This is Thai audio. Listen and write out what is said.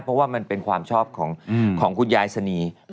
เพราะว่ามันเป็นความชอบของคุณยายสนี